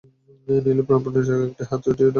নীলু প্রাণপণে তার একটা হাত ছুটিয়ে আনতে চেষ্টা করছে।